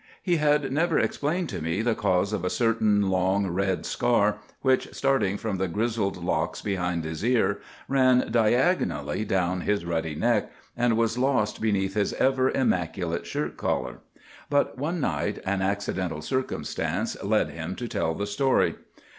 He had never explained to me the cause of a certain long red scar, which, starting from the grizzled locks behind his ear, ran diagonally down his ruddy neck, and was lost beneath his ever immaculate shirt collar. But one night an accidental circumstance led him to tell the story.